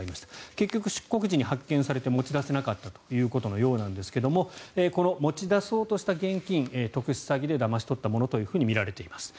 結局、出国時に発見されて持ち出せなかったということのようですがこの持ち出そうとした現金特殊詐欺でだまし取ったものとみられています。